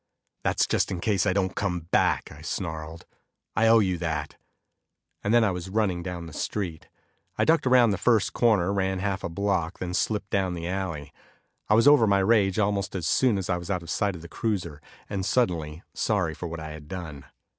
"That's just in case I don't come back," I snarled, "I owe you that." And then I was running down the street. I ducked around the first corner, ran half a block, then slipped down the alley. I was over my rage almost as soon as I was out of sight of the cruiser, and suddenly sorry for what I had done.